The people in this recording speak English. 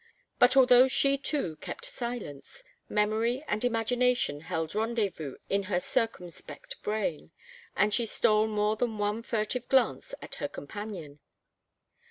But although she too kept silence, memory and imagination held rendezvous in her circumspect brain, and she stole more than one furtive glance at her companion.